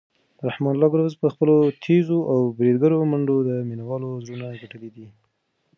رحمان الله ګربز په خپلو تېزو او بریدګرو منډو د مینوالو زړونه ګټلي دي.